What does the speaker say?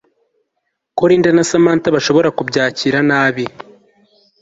ko Linda na Samantha bashobora kubyakira nabi